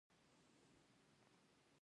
چارواکو ته پکار ده چې، انسانیت پیاوړی کړي.